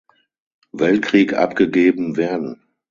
Weltkrieg abgegeben werden.